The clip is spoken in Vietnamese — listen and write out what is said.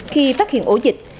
khi phát hiện ổ dịch